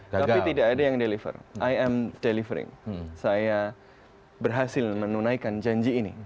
tapi tidak ada yang deliver im delivering saya berhasil menunaikan janji ini